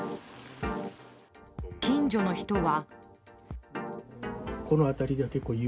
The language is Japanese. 近所の人は。